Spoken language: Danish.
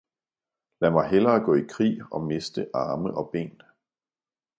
lad mig hellere gå i krig og miste arme og ben!